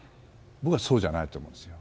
僕はそうじゃないと思うんですよ。